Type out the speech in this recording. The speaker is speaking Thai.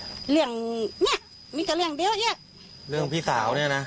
เรื่องเนี้ยมีแต่เรื่องเดียวเนี้ยเรื่องพี่สาวเนี้ยน่ะ